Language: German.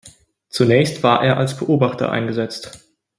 Zunächst war er als Beobachter eingesetzt.